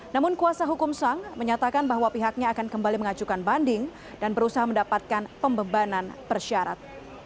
namun kuasa hukum sang menyatakan bahwa pihaknya akan kembali mengajukan banding dan berusaha mendapatkan pembebanan persyarat